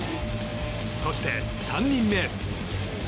そして、３人目。